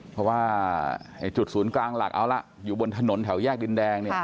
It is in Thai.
เพราะว่าจุดศูนย์กลางหลักเอาล่ะอยู่บนถนนแถวแยกดินแดงเนี่ย